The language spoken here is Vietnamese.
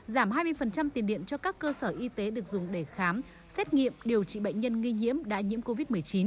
giảm hai mươi tiền điện cho các cơ sở y tế được dùng để khám xét nghiệm điều trị bệnh nhân nghi nhiễm đã nhiễm covid một mươi chín